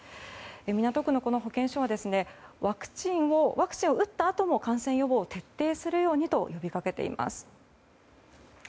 港区の保健所はワクチンを打ったあとも感染予防を徹底するようにと呼びかけています。